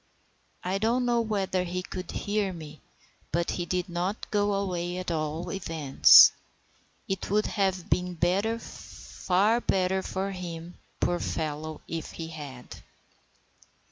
I don't know whether he could hear me, but he did not go away at all events. It would have been far better for him, poor fellow, if he had.